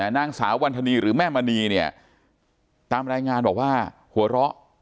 นางสาววันธนีหรือแม่มณีเนี่ยตามรายงานบอกว่าหัวเราะ